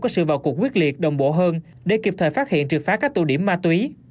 có sự vào cuộc quyết liệt đồng bộ hơn để kịp thời phát hiện triệt phá các tụ điểm ma túy